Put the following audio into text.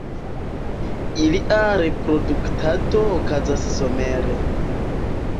Ilia reproduktado okazas somere.